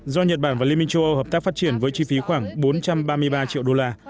do nhật bản và liên minh châu âu hợp tác phát triển với chi phí khoảng bốn trăm ba mươi ba triệu đô la